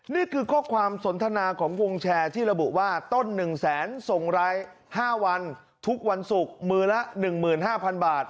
นี่คือข้อความสนทนาของวงแชร์ที่ระบุว่าต้นหนึ่งแสนส่งไร้ห้าวันทุกวันศุกร์มือละหนึ่งหมื่นห้าพันบาท